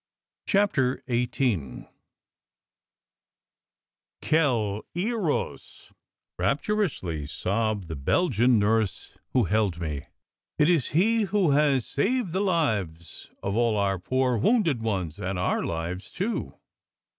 CHAPTER XVIII OUEL her os !" rapturously sobbed the Belgian nurse who held me. " It is he who has saved the lives of all our poor wounded ones, and our lives, too.